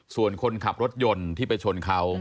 ส่วนคนขับรถยนต์ที่ไปชนเขา